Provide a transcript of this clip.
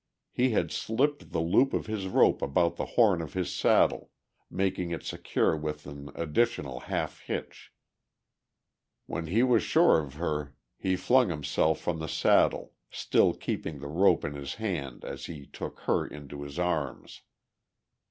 He had slipped the loop of his rope about the horn of his saddle, making it secure with an additional half hitch; when he was sure of her he flung himself from the saddle, still keeping the rope in his hand as he took her into his arms.